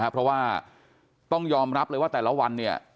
เพราะว่าต้องยอมรับเลยว่าแต่ละวันเนี่ย